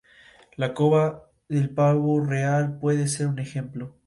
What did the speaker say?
La cola del pavo real puede ser un ejemplo.